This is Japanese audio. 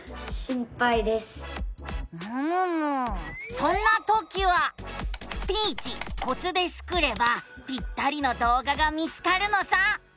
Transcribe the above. そんなときは「スピーチコツ」でスクればぴったりの動画が見つかるのさ。